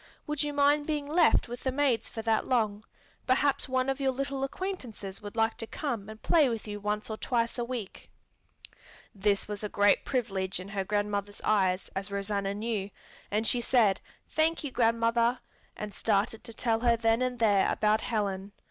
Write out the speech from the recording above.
Would you mind being left with the maids for that long? Perhaps one of your little acquaintances would like to come and play with you once or twice a week." This was a great privilege in her grandmother's eyes, as Rosanna knew, and she said, "Thank you, grandmother," and started to tell her then and there about Helen.